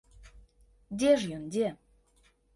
Дзе ж ён, дзе?